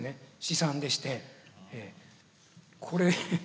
試算でしてこれ。